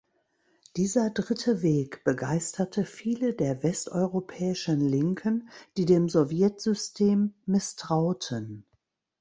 Dieser „Dritte Weg“ begeisterte viele der westeuropäischen Linken, die dem Sowjetsystem misstrauten.